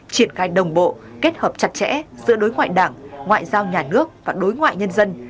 triển khai đồng bộ kết hợp chặt chẽ giữa đối ngoại đảng ngoại giao nhà nước và đối ngoại nhân dân